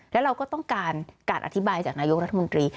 แล้วเราก็ต้องการการอธิบายจากนายกรัฐมนตรี